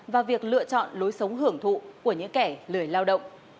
và việc lựa chọn lối sống hưởng thụ của những kẻ lười lao động